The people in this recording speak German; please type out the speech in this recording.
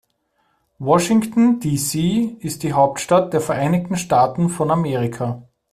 Washington, D.C. ist die Hauptstadt der Vereinigten Staaten von Amerika.